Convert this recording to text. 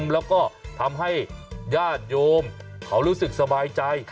แล้วก็ทำให้ญาติโยมเขารู้สึกสบายใจ